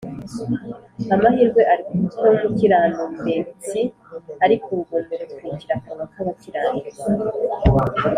amahirwe ari ku mutwe w’umukiranumberstsi, ariko urugomo rutwikira akanwa k’abakiranirwa